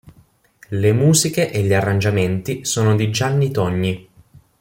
Le musiche e gli arrangiamenti sono di Gianni Togni.